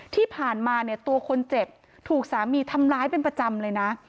ที่ผ่านมาเนี่ยตัวคนเจ็บถูกสามีทำร้ายเป็นประจำเลยนะ